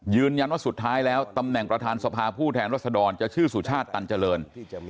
ยืนยันว่าสุดท้ายแล้วตำแหน่งประธานสภาผู้แทนรัศดรจะชื่อสุชาติตันเจริญ